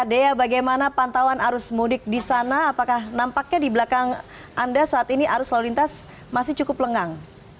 dea bagaimana pantauan arus mudik di sana apakah nampaknya di belakang anda saat ini arus lalu lintas masih cukup lengang